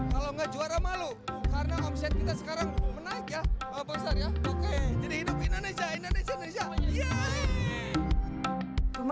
kalau nggak juara malu karena omset kita sekarang menaik ya jadi hidup indonesia indonesia indonesia